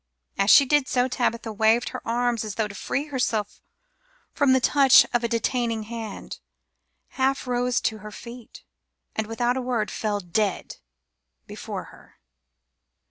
As she did so Tabitha waved her arms as though to free herself from the touch of a detaining hand, half rose to her feet, and without a word fell dead before her.